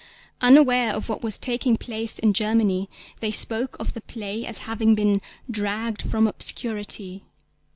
Unaware of what was taking place in Germany, they spoke of the play as having been 'dragged from obscurity.